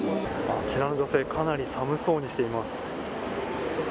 あちらの女性かなり寒そうにしています。